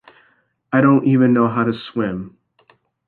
I don't even know how to swim!